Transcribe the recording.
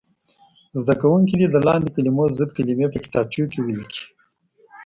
زده کوونکي دې د لاندې کلمو ضد کلمې په کتابچو کې ولیکي.